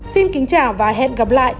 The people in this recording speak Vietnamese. xin kính chào và hẹn gặp lại